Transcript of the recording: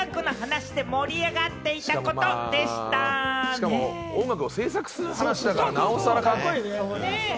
しかも音楽を制作する話だから、なおさらカッコいいですね。